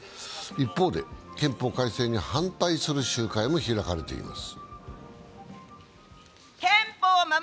一方で、憲法改正に反対する集会も開かれています。